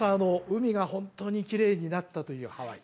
海が本当にきれいになったというハワイね